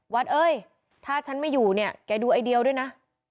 เอ้ยถ้าฉันไม่อยู่เนี่ยแกดูไอเดียด้วยนะ